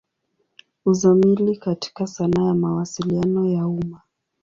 Uzamili katika sanaa ya Mawasiliano ya umma.